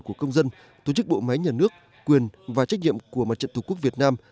của công dân tổ chức bộ máy nhà nước quyền và trách nhiệm của mặt trận tổ quốc việt nam